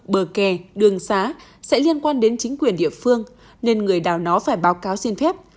bờ kè đường xá sẽ liên quan đến chính quyền địa phương nên người nào nó phải báo cáo xin phép